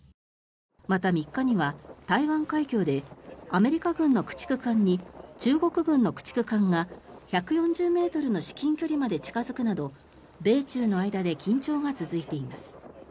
また、３日には台湾海峡でアメリカ軍の駆逐艦に中国軍の駆逐艦が１４０ｍの至近距離まで近付くなど米中の間で緊張が続いています。